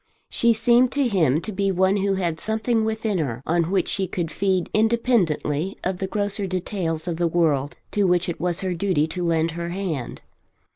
She seemed to him to be one who had something within her on which she could feed independently of the grosser details of the world to which it was her duty to lend her hand.